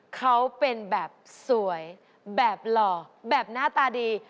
เขาเป็นแบบสวยแบบหล่อแบบหน้าตาดี